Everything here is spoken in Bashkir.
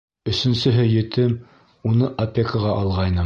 Өсөнсөһө етем, уны опекаға алғайным.